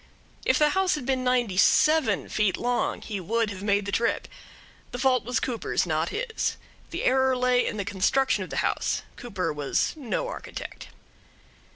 If the house had been ninety seven feet long he would have made the trip. The fault was Cooper's, not his. The error lay in the construction of the house. Cooper was no architect.